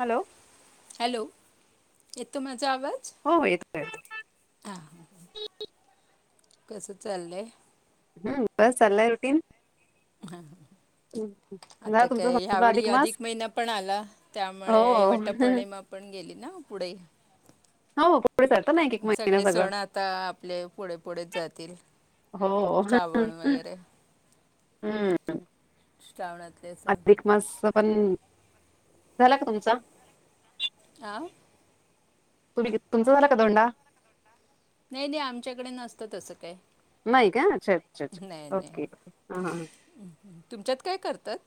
Hello hello यत म वाज हो हो येतोय येतोय. कस चाललंय हम्म बस अल्ला रुटीन हा हा ह हम् आता काय ह्यावेळी अधिक महिना पण आला हो त्यामुळे हो वाट पौर्णिमा पण गेली ना पुढे ह हो पुढे सरतं ना एक एक महिना सगळे सगळं सण आता आपले पुढे पुढेच जातील हो श्रावण वगैरे हम्म श्रावणातले सग अधिक मास पण झाला का तुमचा आ तुम्ही तुमचं झाला का दोंडा नाही नाही आमच्याकडे नसतं तसं काय नाही का छच छ नाही ओके नाही ह ह तुमच्यात काय करतात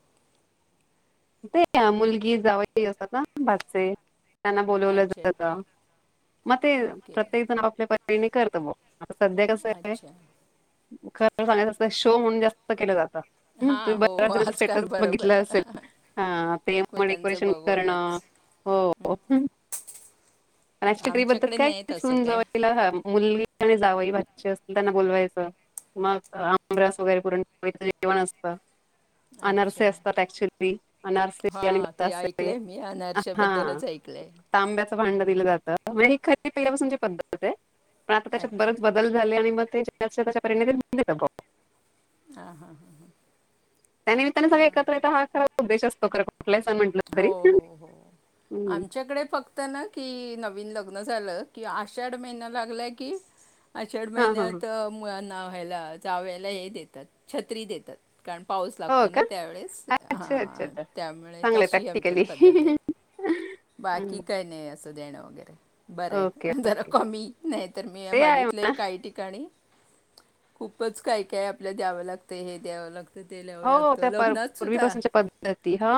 ते मुलगी जाव असात ना बाजचे त्यांना बोोलवलं अच्छा जात मग ते ओके प्रत्येक जण आपल्या परीणी करत ब आता सध्या कसं आहे अच्छा खर सांगायचं शो म्हणून जास्त केलं जात म हां तुम्ही हो बऱ्या आजकाल स्टेटस बरोबर बघितलं असेल हा ते म एकमेकांचं डेकोरेशन करणं बघूनच हो राज ठाकर बद्दल आमच्याकडे नाही तसं कायून काय जवळला मुव अस त्यांना बोलवायचं मग आमस वगैरे कर जेवण असतं अनरसे अच्छा असतात ऍक्चुली अनारस आणि हा ब ते ऐकलंय मी हा अनारशाबद्दलच ऐकलंय तांब्या ड ख प त्याच्यात अच्छा बच बदल झा च्या पिंद हा हा हा हा त्यानिमित्ताने सग एकत्र यता हा खराच उद्ेश असतो ख हो हो हम्म. आमच्याकडे फक्त ना की न लागला की हा हा हा. नाव्याला चाव्याला हे देतात छत्री देतात कारण पाऊस हो लागतो का ना त्यावेळेस त्यामुळे चांग तशी आमच्यात प्रॅक्टिकली पद्धत आहे बाकी काय नाही असं देणं वगैरे बरं ओके आहे जरा ओके कमी नाही तर मी ते आहे म्हणा. बघितलेय काही ठिकाणी खूपच काय काय आपल्या द्यावं लागतंय हे द्यावं लागतं तर ते ल्यावं हो लागतं त्या पर- लग्नात सुद्धा पूर्वीपासूनच्या पद्धती हा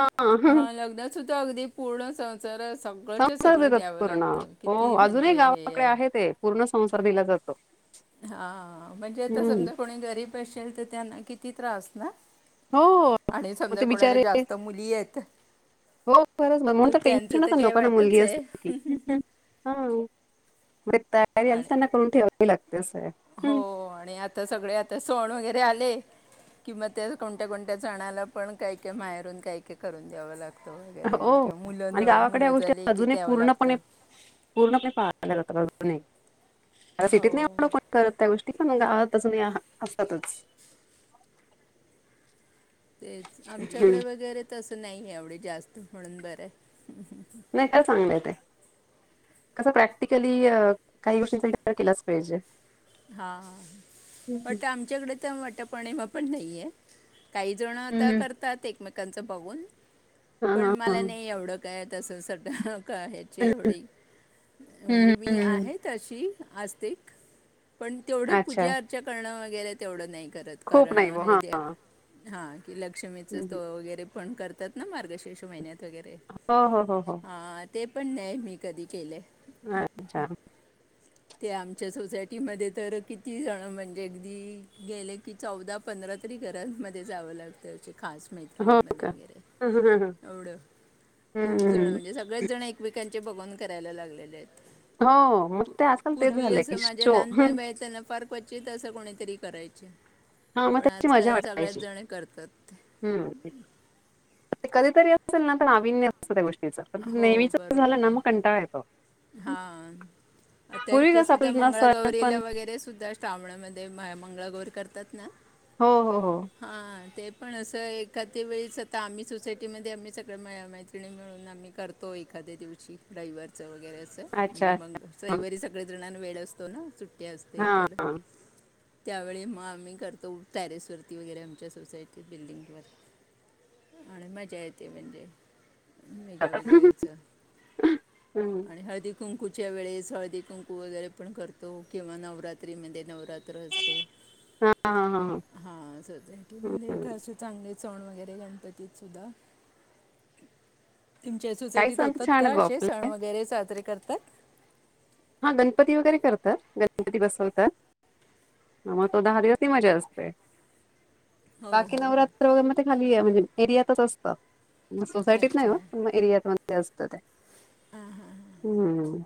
हा लग्नात सुद्धा अगदी पूर्ण सं जर सगळंच संसार सगळं देतात द्यावं पूर्ण लागत हो किती अजूनही म्हणजे हे गावाकडे आहे ते पूर्ण संसार दिला जातो हा म्हणजे आता हम्म. समजा कोणी गरीब असेल तर त्यांना किती त्रास ना हो आणि मग समजा ते कुणाला बिचारे जास्त मुली आहेत हो बरच ब म्ह तर त्यांचं टेन्शनच ना काय लोकांना वाटच मुलगी अस आहे लागते असं आहे हम्म. हो आणि आता सगळे आता सण वगैरे आले किवा त्या कोणत्या कोणत्या जणाला पण काही काय माहेरून काही काय करून द्यावं लागत हो आणि गावाकडे या गोष्टी झाली की अजूनही द्यावं पूर्णपणे लागतं पूर्णपणे पाल्या सिटीत हो नाहीढण करत त्या गोष्टी त पण गावातच नाही असतच तेचं आमच्याकडे वगैरे तसं नाही एवढ जास्तं म्हणून बरं आहे. नाही खरं चांगलं आहे ते. कसं प्रॅक्टिकली काही गोष्टींचा विचार केलाच पाहिजे हा हम्म. बट आमच्याकडे तर मट पणिमा पणं नाहीं आहे. कांहीं जण आता हम्म. करतात एकमेकांचं बघून हां, हां, पणं हां. मला नाही एवढं काय तसं संध्या कारायची हम्म, एवढी हम्म, म्हणजे मी हम्म. आहे तशी आसस्तीक पण तेवढं अच्छा. पूजा अर्चा करणं वगैरे तेवढं नाही करत हे खूप कारण नाही हे बुवा द्य हां. हा की लक्ष्मीच हं. वगैरे पण करतात ना मार्गशीर्ष टीशू महिन्यांत वगैरे हो, हो, हो, हो. हा ते पणं नाहीं मी कधी केलें अच्छा. ते आमच्या सोसायटी मध्ये तर किती जणं म्हणजे अगदी गेले की चौदा पंधरा तरी घरांमध्ये जावं लागतं असं खास हो मैत्रिणींमध्ये का? वगैरे हं, हं, हं, हं. एवढं खूप जण हम्म. म्हणजे सगळेच जण एक पिकांचे भगवण करायला लागले आहेतः हो मग ते असलं तेचं झालंय की असं माझ्या शो लहानपणी बाहेर ना फार क्वचितच तसं कोणीतरी अस करायचे हा मग पण ती माझी आजकाल वाट सगळ्याच पाहायची जण करतात हम्म ते कधी तरी असेल नाविन्य असतं त्या गोष्टी पणं हो नेहमीचं झाल बरोबर ना मग आहे कंटाळा येतो. पूर्वी त्यांच्या कसं सुद्धां आपल्याला सण मंगळागौरीला पण वगैरे सुद्धां श्रावणामध्ये मंगळागौरी करतात ना हो हो हो पणं असं एखाद्या वेळेस आता आम्हीं सोसायटीमध्ये आम्हीं सगळं मैत्रिणी मिळून आम्हीं तो एखाद्या दिवशी रविवचा वगैरे म्हणजे अच्छा म रविवारी सगळे जणं वेळ असतो ना सुट्टी असतें हा तर त्यावेळी मग आम्ही करतो त्यारीसर्व सुरती वगैरे आमच्या सोसायटी बिल्डिंगवर आणि मजा येते म्हणते हॉलो गाईज हम्म. हळदी कुंकू जच्या वेळे सळदी कुंकू वगैरे पणं करतों किंवा नवरात्रीमध्ये नवरात्र हा हा हा हा म्हणजे हम्म. खासे चांगले. पणं वगैरे गणपतीत सुद्धां तुमच्या काही सोसायटीत सण तर होतात छान का आहेत बा असे आपले सण वगैरे साजरे करतात हा गणपती वगैरे करतात गणपती बसवतात हा मग त दहा दिवस ची मजा असतें हो बाकी हो नवरात्र वगैरे मध ते खाली म्हणजे एर्यातच असतं सोसायटीत नाही अच्छा होत पूर्ण एरियात मध्यें होत असतं ते हम्म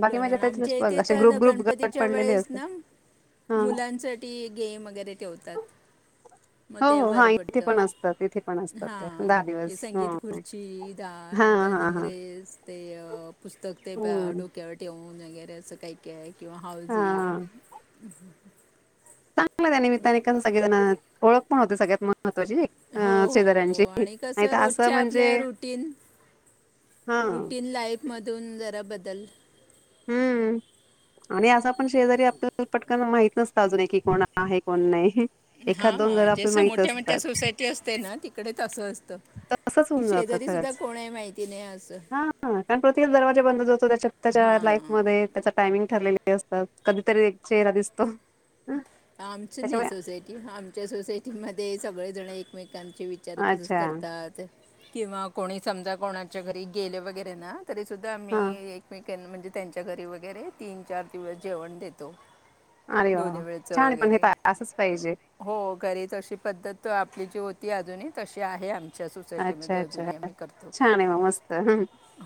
बाकी माझ्या कारणं त्याच्यातच आमच्या बघ इथे असे तर ग्रुप ग्रुप गट गणपतींच्या पडलेले वेळेस असतात ना. हा मुलांसाठी गेम्स वगैरे ठेवतात मग हो ते हो हा बरं इथे पणं पडतं असतांत इथे पणं असतांत हां दहा की दिवस संगीत हो. खुर्ची डाळ हा रनिंग हा रेस ते पुस्तकं ते हम्म डोक्यावर ठेवा टेऊन वगैरे असं काही का आहे किंवा हावजी चांगला त्या निमित्याने सगळें जणं ओळख पणं होते सगळ्यांत महत्वाची हो अ शेजऱ्यांची हो आणि नाहीं कसं तर असं रोजच्या म्हणजे आपल्या रुटीन हा रुटीन लाईफमधून जरा बदल. हम्म आणि असं पणं शेजारी आपल्याला पटकनना माहित नसतं अजून कि कोण आहे कोण नाहीं हा जस मोठ्या मोठ्या सोसायटी असतें ना तिकडे तसं असते तसंच होऊन जातं खरच माहिती नाही असं हा कारणं प्रत्येक दरवाजा बंदतो जोडतो त्याच्या त्यांच्या लाईफ हां मध्ये त्यांच्या टायमिंग ठरलेला असतो कधीतरी चेहरा दिसतो. हं, आमचं नाहीं त्याच्यामुळे सोसायटी आमच्या सोसायटीमध्ये सगळें जणं एकमेक कांची विचारपूस अच्छा करतात किंवा कोणी समजा कोणाच्या घरी गेले वगैरे ना तरी सुद्धां हा आम्ही एकमेकांना म्हणजे त्यांच्या घरी वगैरे तीन चार दिवस जेवणं देतो. अरे वा दोन्ही वा. वेळच छान आहे पण हे वगैरे पा- असंच पाहिजे हो घरीच अशी पद्धत आपली जी होती ती अजूनही तशी आहे आमची अच्छा अच्छा छान आहे म मस्त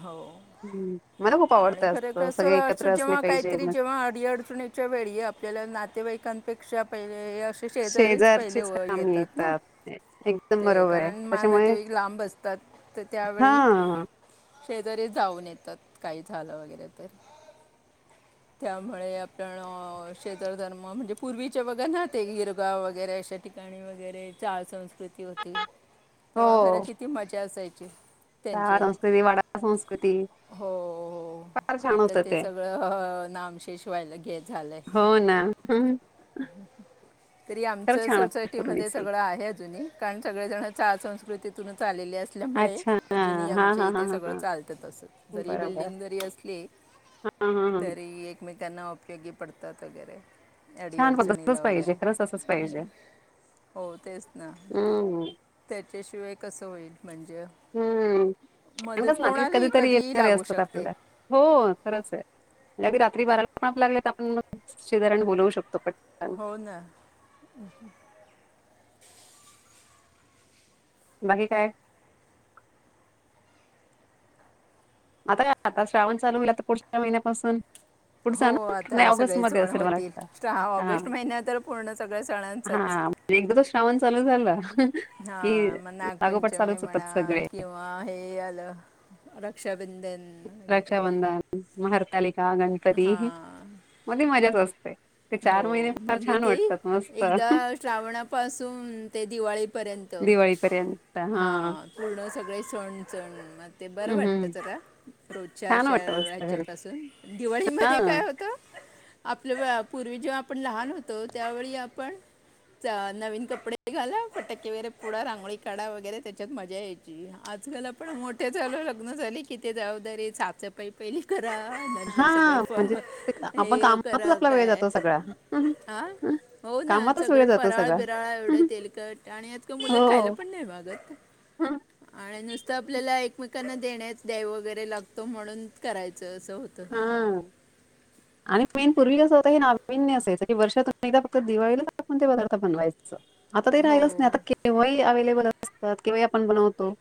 हो हम्म. मला खूप आणि आवडतं खर असतं कस सगळे असं एकत्र असले जेव्हा पाहिजे काहीतरी मस्त जेव्हा अडी अडचणीच्या वेळी आप आपल्या नातेवाईकांपेक्षा पहिले हे असे शेजारीच पहिले शेजारचेच व कामे येतात ना ए- एकदम ते बरोबर आहे कारण मान त्याच्यामुळे ते एक लांब असतात हा त्यावेळी शेजारी जाऊन येतात काही झालं वगैरे तर त्यामुळे आपण क्षेत्रधर्म म्हणजे पूर्वीचे बघा नाते गिरगाव वगैरे अशा ठिकाणी वगैरे चाळ संस्कृती होती तेव्हा घरं हो किती मजा असायची त्यांचे संस्कृती वडा संस्कृती हो फार छान आता होतं ते सगळं नाम शेषवायला घे झालंय हो ना हम्म तरी आमच सोसायटी मध्ये सगळं आहे अजूनही कारण सगळेजण चाळ संस्कृतीतूनच आलेले असल्यामुळे अच्छा हा अजूनही हा आमचे हा हा इथे हा सगळं हा चालत तस जरी बरोबर बिल्डिंग हा जरी असली हा हा तरी एकमेकांना उपयोगी पडतात वगैरे छान हो तसच अडीअडचणीला वगैरे पाहिजे खरंच असच पाहिजे हो तेच ना हम्म त्याच्याशिवाय कसं होईल म्हणजे हम्म मदत नातेवाईक कोणालाही कधीतरी कधीही येणार लागू असतात शकते आपल्याला हो खरंच आहे रात्री बाराला पण आपल्याला लागले तर आपण मग शेजाऱ्यांना बोलवू शकतो पटकन. हो ना बाकी काय आता काय आता श्रावण चालू होईल आता पुढच्या महिन्यापासून [inaudible] हो पुढचा ना? नाही आता सगळे ऑगस्टमध्ये सण असेल मला वाटतं. होतील हां, ऑगस्ट महिन्या तर पूर्ण सगळ्या सणांचाच हां. एकदा तो श्रावण चालू झाला कि हा मग लागोपाठ चालूच होतात सगळे ते आल रक्षाबंधन म हरतालिका गणपती हा मध्ये मजाच असते ते हो महिने फार म्हणजे छान ते वाटतात मस्त एकदा श्रावणापासून ते दिवाळीपर्यंत दिवाळीपर्यंत. हा हां. पूर्ण सगळे सण सण म ते बरं हं, वाटत हं. जरा रोजच्या छान अशा वाटतं मस्त राज्या घरी. पाासून दिवाळीमध्ये हां. काय होत आपलं पूर्वी जेव्हा आपण लहान होतो त्यावेळी आपण नवीन कपडे घाला फटके वगैरे पुढा रांगोळी काढा वगैरे त्याच्यात मजा यायची आत आजकाल आपण मोठे झालो लग्न झाली किती जबाबदारी साचपाई पहिली कर नंतर हां, म्हणजे सगळे ते आपण हे कामातच करा आपला वेळ काय जातो सगळा आंह हो ना कामातच सगळे वेळ जातो फराळ सगळा. बिराळा एवढं तेल कट आणि आज काल मुलं खायला हो. पण नाही मागत आणि नुसतं आपल्याला एकमेकांना देण्या द्याय वगैरे लागतो म्हणून करायचं असं होतं हा आणि मेन पूर्वी कस होत ना नावीन्य असायचं की वर्षातून एकदा फक्त दिवाळीला आपणते पदार्थ बनवायचं आता ते हो राहिलंच नाही आता केव्हाही अवेलेबल असतात केव्हाही आपण बनवतो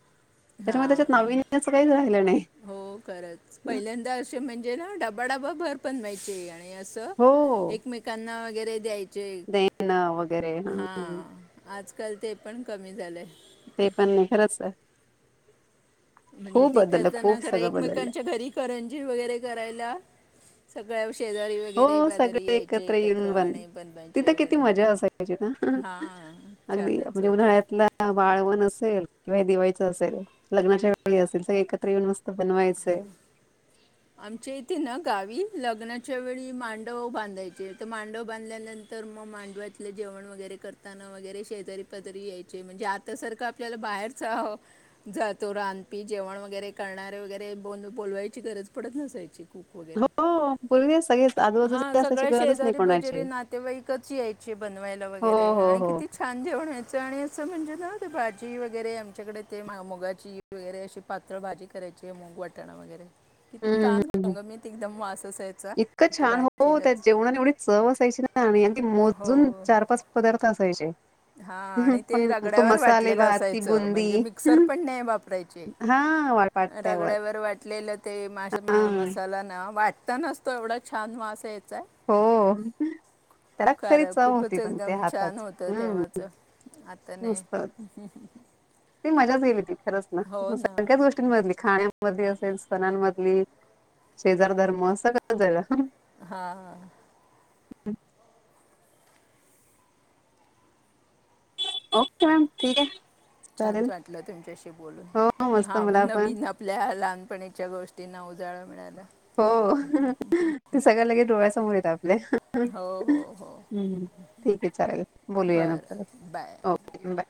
हा त्याच्यामुळे त्याच्यात नाविन्याचं काहीच राहिलं नाही. हो खरच पहिल्यांदा असे म्हण म्हणजे ना डबा डबा भर पनवा्हायचे आणि असं एकमेकांना वगैरे द्याय देण वगैरे हा हम हां आजकाल ते पण कमी झाले ते पण नाही खरचंय म्हणजे ते खता नार सगळं बदललं. एकमेकांच्या घरी करंजी वगैरे करायला सगळ्या शेजारी हो वगैरे बाजारी सगळे यायचे एकत्र येऊन पण आणि बनवायचे तिथं किती वगैरे मज्जा असायची ना हां अगदी छानच म्हणजे होतं उन्हाळ्यातला वाळवण असेल किंवा दिवाळीच असेल, लग्नाच्या वेळी असेल सगळे एकत्र येऊन मस्त ह बनवायचे. आमच्या इथे ना गावी लग्नाच्या वेळी मांडव बांधायचे तर मांडव बांधल्यानंतर मग मांडव्यातलं जेवण वगैरे करताना वगैरे शेजारी पाजारी यायचे म्हणजे आता सारखं आपल्याला बाहेरच जातो रांधपी जेवण वगैरे करणारे वगैरे बोलवायची गरज पडत नसायची कूक हो, वगैरे पूर्वी सगळेच हा आजूबाजूचे असायची सगळ्या गरजच नाही शेजारी बजेरी कोणाची. नातेवाईकच यायचे बनवायला हो, वगैरे हो, आणि हो. किती छान जेवणं चण्याचं म्हणजे ना ते भाजी वगैरे आमच्याकडे ते मुगाची वगैरे अशी पातळ भाजी करायचे ग वटाणा वगैरे किती हं, हं, छान घमघमीत एकदम वास असायचा ईतकं ते छान हो त्या भाजीलाच जेवणाला एवढी चव असायची ना आणिअगदी हो मोजून चार पाच पदार्थ असायचं हा आणि ते तो रगड्यावर मसाले वाटलेलं भात, ती असायचं बुंदी म्हणजे मिक्सर पण नाही वापरायचे हां, वाळपाट्यावर. रगड्यावर वाटलेलं ते मास हां. मसाला ना वाटतानाच तो एवढा छान वास यायचा हो त्याला खरी चव होती पण ते हाताची हं, तेव्हाच आता नाही मज्जाच गेली ती खरंच ना?.. सगळ्याच गोष्टींमधली खाण्या मधली असेल, सणांमधली, शेजार धर्म सगळंच गेलं हा ह ओके मॅम ठीक आहे चालेल छानच वाटलं तुमच्याशी बोलून हो मस्त हा मला पण नवीन आपल्या लहानपणीच्या गोष्टींना उजाळा मिळाला हो ते सगळं लगेच डोळ्यासमोर येत आपल्या हुं हो हो हो हुं ठीक आहे. चालेल बोलूया नंतर बरं आपण. Bye okay bye